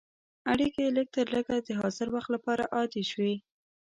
اړیکې لږترلږه د حاضر وخت لپاره عادي شوې.